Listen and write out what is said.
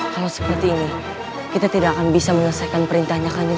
kalau seperti ini kita tidak akan bisa menyelesaikan perintahnya kan